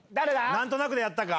なんとなくでやったか。